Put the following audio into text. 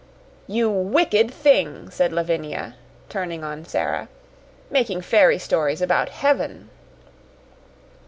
"You wicked thing," said Lavinia, turning on Sara; "making fairy stories about heaven."